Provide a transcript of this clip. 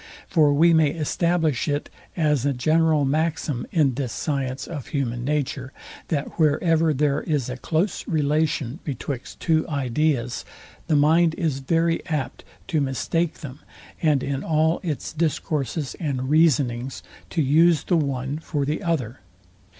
For we may establish it as a general maxim in this science of human nature, that wherever there is a close relation betwixt two ideas, the mind is very apt to mistake them, and in all its discourses and reasonings to use the one for the other.